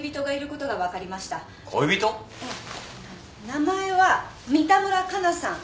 名前は三田村加奈さん。